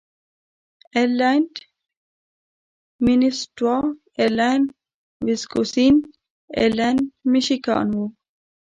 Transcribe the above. ایرلنډ مینیسوټا، ایرلنډ ویسکوسین، ایرلنډ میشیګان و.